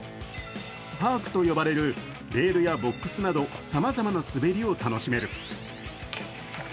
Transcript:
パークと呼ばれるレールやボックスなどさまざまな滑りを楽しめる。